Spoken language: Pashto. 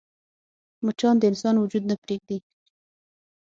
مچان د انسان وجود نه پرېږدي